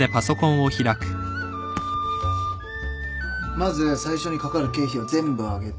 まず最初にかかる経費を全部挙げて。